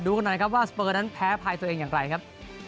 กันหน่อยครับว่าสเปอร์นั้นแพ้ภายตัวเองอย่างไรครับ